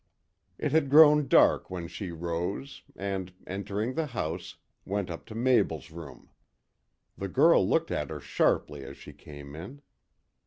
It had grown dark when she rose and, entering the house, went up to Mabel's room. The girl looked at her sharply as she came in.